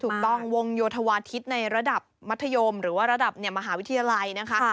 ถูกต้องวงโยธวาทิศในระดับมัธยมหรือว่าระดับมหาวิทยาลัยนะคะ